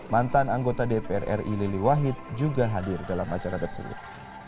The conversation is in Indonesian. mantan anggota dpr ri lili wahid juga hadir dalam acara tersebut